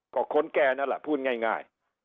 ก็คนแก่นั่นแหละพูดง่าย